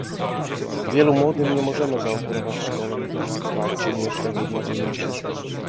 Wielu młodym nie możemy zaoferować szkoleń, pracy, mieszkań lub nadziei na przyszłość